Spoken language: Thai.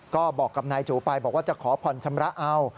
ก็บอกกับนายจูไปบอกว่าจะขอผ่อนชำระเอา